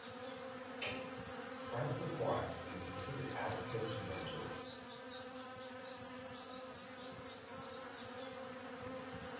Frank McGuire has been considered Al's coaching mentor.